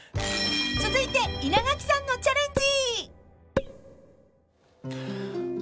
［続いて稲垣さんのチャレンジ］